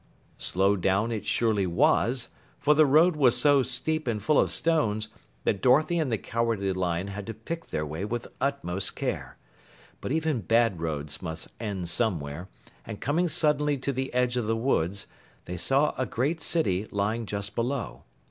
Slow down it surely was, for the road was so steep and full of stones that Dorothy and the Cowardly Lion had to pick their way with utmost care. But even bad roads must end somewhere, and coming suddenly to the edge of the woods, they saw a great city lying just below.